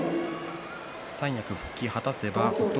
三役復帰を果たせば北勝